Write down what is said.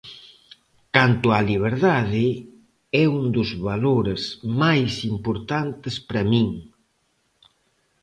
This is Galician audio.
Canto á liberdade, é un dos valores máis importantes para min.